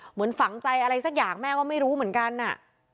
เหมือนฝังใจอะไรสักอย่างแม่ก็ไม่รู้เหมือนกันน่ะ